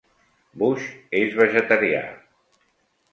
Bush és vegetarià.